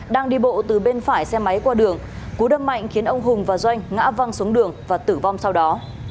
đang đi bộ từ bên phải xe máy qua đường cú đâm mạnh khiến ông hùng và doanh ngã văng xuống đường và tử vong sau đó